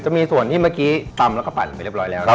จะมีส่วนที่เมื่อกี้ตำแล้วก็ปั่นไปเรียบร้อยแล้วนะครับ